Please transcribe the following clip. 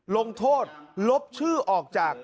ลงโทษลบชื่อออกจาก